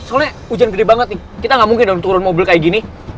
soalnya hujan gede banget nih kita gak mungkin dong turun mobil kayak gini